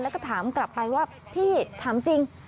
แล้วก็ถามกลับไปว่าพี่ถามจริง